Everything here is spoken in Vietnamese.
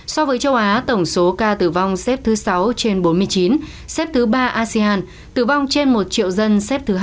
so với châu á tổng số ca tử vong xếp thứ sáu trên bốn mươi chín xếp thứ ba asean tử vong trên một triệu dân xếp thứ hai